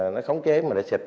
nó khống chế mà nó xịt